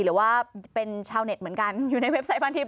หรือว่าเป็นชาวเน็ตเหมือนกันอยู่ในเว็บไซต์พันทิพ